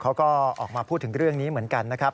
เขาก็ออกมาพูดถึงเหมือนกันนะครับ